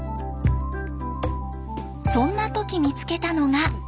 そんな時見つけたのが。